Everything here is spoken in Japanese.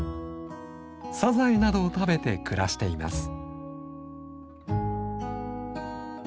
サザエなどを食べて暮らしています。